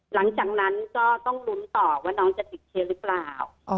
หลังจากนั้นก็ต้องลุ้นต่อว่าน้องจะติดเชื้อหรือเปล่า